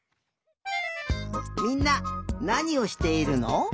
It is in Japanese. みんななにをしているの？